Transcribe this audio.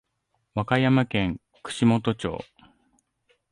和歌山県串本町